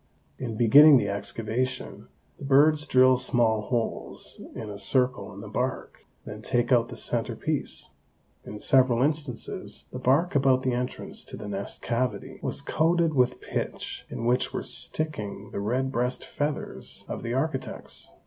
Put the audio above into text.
In beginning the excavation, the birds drill small holes in a circle in the bark, then take out the center piece. In several instances the bark about the entrance to the nest cavity was coated with pitch in which were sticking the red breast feathers of the architects.